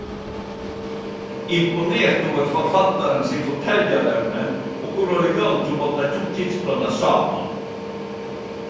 Imponert over forfattaren si forteljarevne og kor elegant ho batt dei to tidsplana saman.